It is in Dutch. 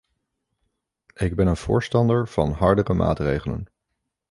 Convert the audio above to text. Ik ben een voorstander van hardere maatregelen.